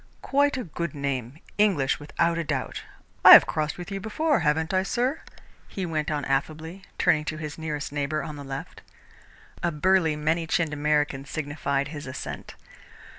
"Quite a good name English, without a doubt. I have crossed with you before, haven't I, sir?" he went on affably, turning to his nearest neighbour on the left. A burly, many chinned American signified his assent.